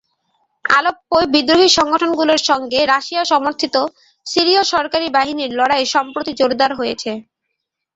আলেপ্পোয় বিদ্রোহী সংগঠনগুলোর সঙ্গে রাশিয়া-সমর্থিত সিরীয় সরকারি বাহিনীর লড়াই সম্প্রতি জোরদার হয়েছে।